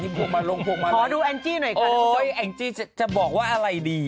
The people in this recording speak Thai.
ที่โผล่มาลงโผล่มาขอดูแอ็งจี้หน่อยก่อนโอ้ยแอ็งจี้จะบอกว่าอะไรดี